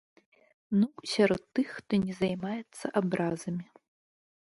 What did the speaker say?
Ну, сярод тых, хто не займаецца абразамі.